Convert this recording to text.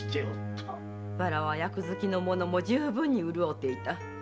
わらわ役付きの者も充分に潤うていた。